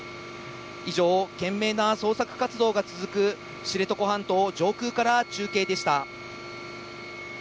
以上、懸命な捜索活動が続く、知床半島上空から中継でした。